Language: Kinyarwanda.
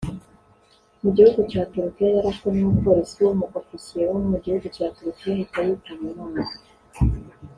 Mu gihugu cya Turukiya yarashwe n'umupolisi w'Umu-ofisiye wo mu gihugu cya Turukiya ahita yitaba Imana